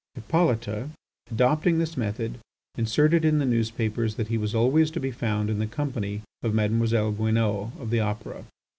Hippolyte, adopting this method, inserted in the newspapers that he was always to be found in the company of Mademoiselle Guinaud of the Opera.